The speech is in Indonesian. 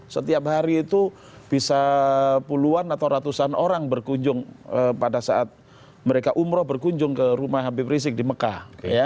setiap hari itu bisa puluhan atau ratusan orang berkunjung pada saat mereka umroh berkunjung ke rumah habib rizik di mekah